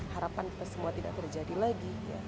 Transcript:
harapan kita semua tidak terjadi lagi